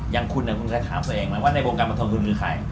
อย่างคุณคุณจะถามตัวเองว่าในบรมการประทานคุณคือใคร